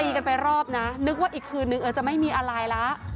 กันไปรอบนะนึกว่าอีกคืนนึงอาจจะไม่มีอะไรแล้ว